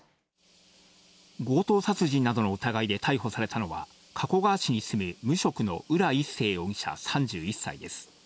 強盗殺人などの疑いで逮捕されたのは、加古川市に住む無職の浦一生容疑者３１歳です。